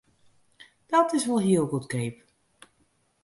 Dat is wol hiel goedkeap!